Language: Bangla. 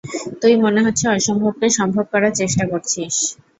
তুই মনে হচ্ছে অসম্ভবকে সম্ভব করার চেষ্টা করছিস।